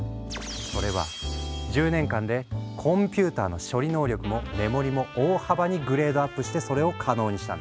それは１０年間でコンピューターの処理能力もメモリも大幅にグレードアップしてそれを可能にしたんだ。